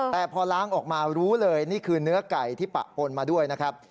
แต่พอล้างออกมารู้เลยนี่คือเนื้อไก่ที่ปะปนมาด้วยนะครับ